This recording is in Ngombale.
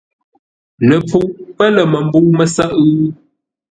Ləpfuʼ pə́ lə̂ məmbə̂u mə́sə́ʼə́?